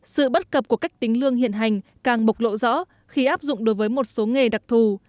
sự bất cập của cách tính lương hiện hành càng bộc lộ rõ khi áp dụng đối với một số nghề đặc thù